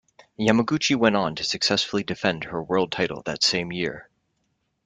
Yamaguchi went on to successfully defend her World title that same year.